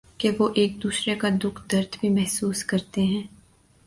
کہ وہ ایک دوسرے کا دکھ درد بھی محسوس کرتے ہیں ۔